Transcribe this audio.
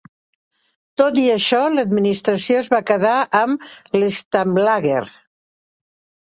Tot i això l'administració es va quedar amb l'Stammlager.